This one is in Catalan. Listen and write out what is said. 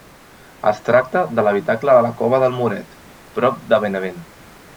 Es tracta de l'habitacle de la Cova del Moret, prop de Benavent.